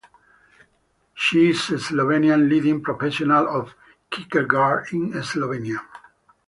He is Slovenian leading professional of Kierkegaard in Slovenia.